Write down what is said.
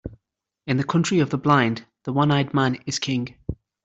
In the country of the blind, the one-eyed man is king.